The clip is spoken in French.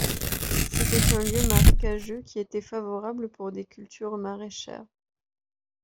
C'était un lieu marécageux qui était favorable pour des cultures maraîchères.